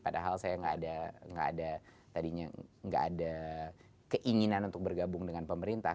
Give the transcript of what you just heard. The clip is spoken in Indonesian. padahal saya nggak ada keinginan untuk bergabung dengan pemerintah